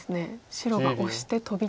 白がオシてトビと。